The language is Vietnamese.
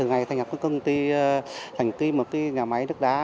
từ ngày thành nhập cái công ty thành cái một cái nhà máy nước đá